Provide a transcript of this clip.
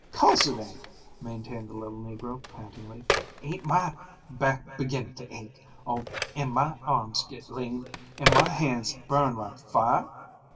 "Course it ain't," maintained the little negro pantingly, "ain't my back beginning to ache, an' my arms get lame, an' mah hands burn like fire?